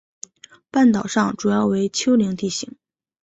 半岛上主要为丘陵地形。